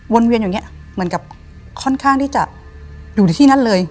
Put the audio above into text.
เวียนอย่างนี้เหมือนกับค่อนข้างที่จะอยู่ในที่นั้นเลย